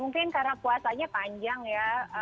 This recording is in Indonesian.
mungkin karena puasanya panjang ya